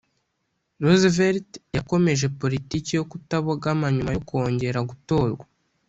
roosevelt yakomeje politiki yo kutabogama nyuma yo kongera gutorwa